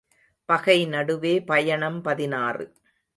பகை நடுவே பயணம் பதினாறு .